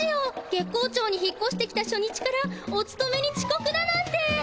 月光町に引っこしてきた初日からおつとめにちこくだなんて。